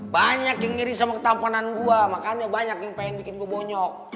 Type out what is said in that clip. banyak yang ngiri sama ketampanan gue makanya banyak yang pengen bikin gue bonyok